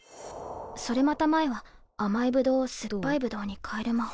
それまた前は甘いブドウを酸っぱいブドウに変える魔法。